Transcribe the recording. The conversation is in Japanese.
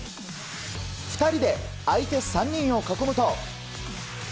２人で相手３人を囲むと。